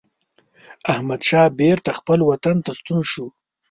احمدشاه بیرته خپل وطن ته ستون شو.